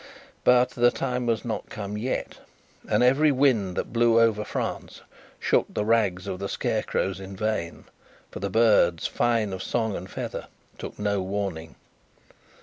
But, the time was not come yet; and every wind that blew over France shook the rags of the scarecrows in vain, for the birds, fine of song and feather, took no warning.